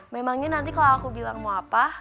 memangnya nanti kalau aku bilang mau apa